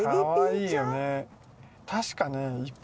確かね。